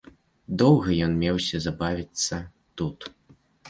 Доўга ён меўся забавіцца тут.